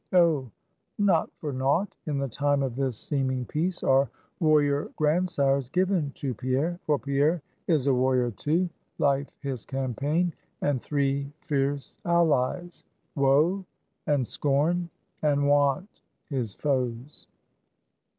Oh, not for naught, in the time of this seeming peace, are warrior grandsires given to Pierre! For Pierre is a warrior too; Life his campaign, and three fierce allies, Woe and Scorn and Want, his foes.